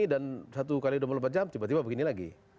dan satu x dua puluh empat jam tiba tiba begini lagi